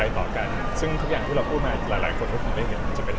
แต่ทุกอย่างที่เราพูดมาหลายคนไม่คงได้เห็น